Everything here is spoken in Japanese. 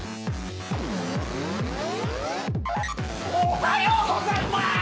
おはようございまーす！